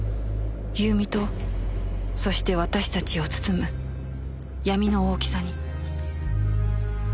優美とそして私たちを包む闇の大きさに